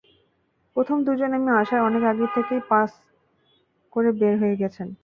প্রথম দুজন আমি আসার অনেক আগেই পাস করে বের হয়ে গেছেন।